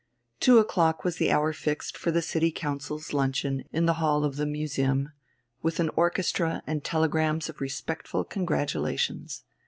Two o'clock was the hour fixed for the City Council's luncheon in the hall of the Museum, with an orchestra and telegrams of respectful congratulations.